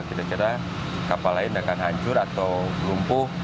kira kira kapal lain akan hancur atau lumpuh